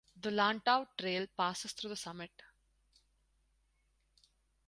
The Lantau Trail passes through the summit.